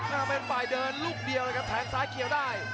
เป็นฝ่ายเดินลูกเดียวเลยครับแทงซ้ายเขียวได้